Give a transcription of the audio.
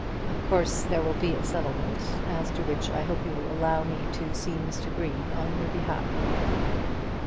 Of course there will be a settlement, as to which I hope you will allow me to see Mr. Green on your behalf."